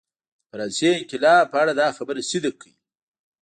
د فرانسې انقلاب په اړه دا خبره صدق کوي.